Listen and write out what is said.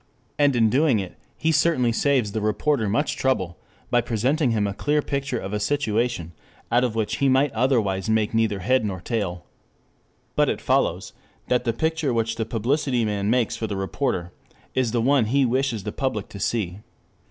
And in doing it, he certainly saves the reporter much trouble, by presenting him a clear picture of a situation out of which he might otherwise make neither head nor tail. But it follows that the picture which the publicity man makes for the reporter is the one he wishes the public to see.